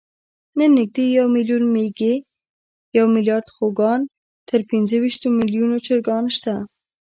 نن نږدې یو میلیون مېږې، یو میلیارد خوګان، تر پینځهویشتو میلیونو چرګان شته.